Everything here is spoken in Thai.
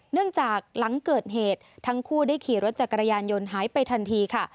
หลังจากหลังเกิดเหตุทั้งคู่ได้ขี่รถจักรยานยนต์หายไปทันทีค่ะ